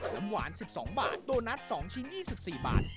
น้ำหวาน๑๒บาทโดนัส๒ชิ้น๒๔บาท